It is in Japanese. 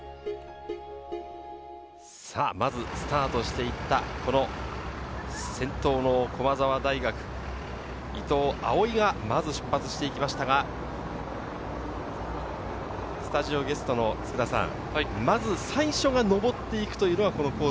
さぁ、まずスタートしていった、この先頭の駒澤大学・伊藤蒼唯がまず出発していきましたが、スタジオゲスト・佃さん、まず最初が上っていくというのが、このコース